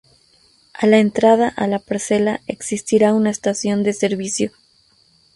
A la entrada a la parcela existirá una Estación de Servicio.